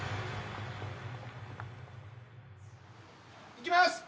いきます！